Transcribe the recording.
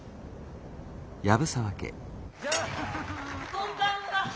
・こんばんは！